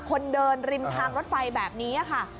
คนเดินริมทางรถไฟแบบนี้ค่ะ